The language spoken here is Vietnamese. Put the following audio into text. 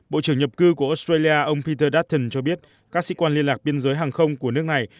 bộ trưởng nhập cư của australia ông peter dathon cho biết các sĩ quan liên lạc biên giới hàng không của nước này